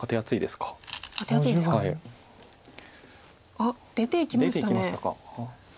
あっ出ていきましたね。